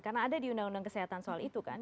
karena ada di undang undang kesehatan soal itu kan